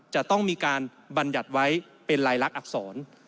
จะต้องมีการบรรยัติไว้เป็นลายลักษณอักษร